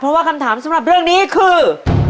เพราะว่าคำถามสำหรับเรื่องนี้คือ